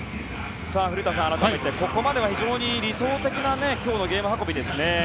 古田さん、改めてここまでは非常に理想的な今日のゲーム運びでしたね。